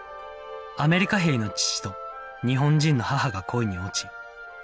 アメリカ兵の父と日本人の母が恋に落ち生まれました